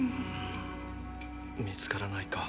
見つからないか。